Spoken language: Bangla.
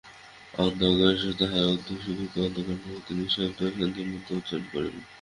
অনন্ত আকাশ তাহার অশ্রুধৌত অন্তঃকরণের মধ্যে নিঃশব্দ শান্তিমন্ত্র উচ্চারণ করিল।